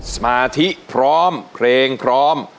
สมาธิพร้อมเพลงพร้อม